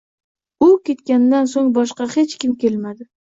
U ketganidan so`ng boshqa hech kim kelmadi